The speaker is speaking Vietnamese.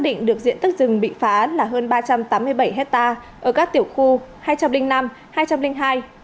định được diện tích rừng bị phá là hơn ba trăm tám mươi bảy hectare ở các tiểu khu hai trăm linh năm hai trăm linh hai thuộc xã ia tấm mốt